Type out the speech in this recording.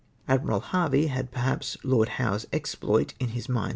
Admiral Harvey had perhaps Lord Howe's exploit in his niind.'